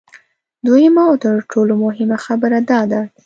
دویمه او تر ټولو مهمه خبره دا ده